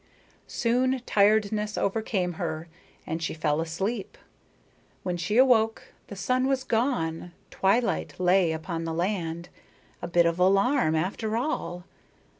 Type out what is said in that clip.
Soon tiredness overcame her, and she fell asleep. When she awoke, the sun was gone, twilight lay upon the land. A bit of alarm, after all.